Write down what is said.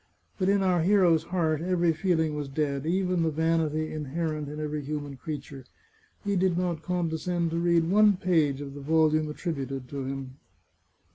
But in our hero's heart every feeling was dead, even the vanity inherent in every human creature. He did not con descend to read one page of the volume attributed to him.